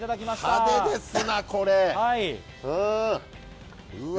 派手ですな、これ。